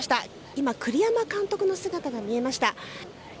今、栗山監督の姿が見えました。